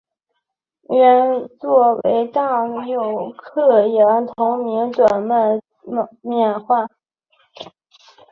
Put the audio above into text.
原作为大友克洋的同名短篇漫画。